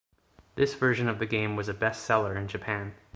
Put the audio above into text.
This version of the game was a bestseller in Japan.